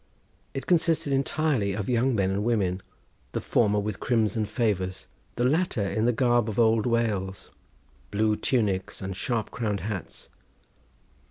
It consisted entirely of young men and women, the former with crimson favours, the latter in the garb of old Wales, blue tunics and sharp crowned hats.